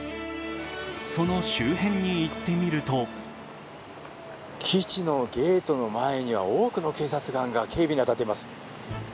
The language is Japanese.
その周辺に行ってみると基地のゲートの前には多くの警察官が警備に当たっています。